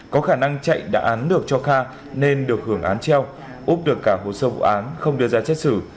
có khả năng chạy đả án được cho kha nên được hưởng án treo úp được cả hồ sơ vụ án không đưa ra chết xử